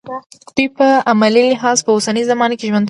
دوی په عملي لحاظ په اوسنۍ زمانه کې ژوند کوي.